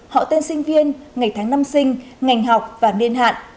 họ tên sinh viên ngày tháng năm sinh ngành học và niên hạn